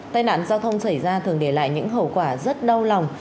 tai nạn giao thông xảy ra thường để lại những hậu quả rất đau lòng